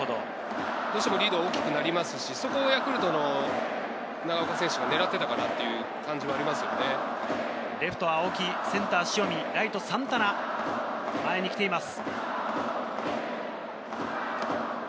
どうしてもリードは大きくなりますし、それはヤクルトの長岡選手が願っていたかなっていう感じはありまレフト・青木、センター・塩見、ライト、サンタナ、前に来ています。